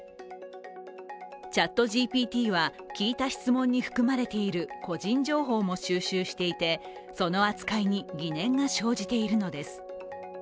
ＣｈａｔＧＰＴは聞いた質問に含まれている個人情報も収集していて、その扱いに疑念が生じているのです。